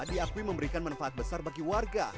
diakui memberikan manfaat besar bagi warga